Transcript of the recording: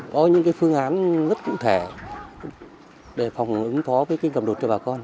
có những cái phương án rất cụ thể để phòng ứng phó với mưa lũ cho bà con